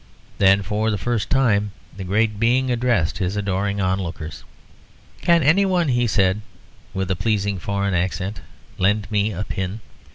Then for the first time the great being addressed his adoring onlookers "Can any one," he said, with a pleasing foreign accent, "lend me a pin?"